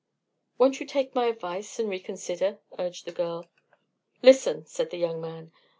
"Won't you take my advice and reconsider?" urged the girl. "Listen!" said the young man.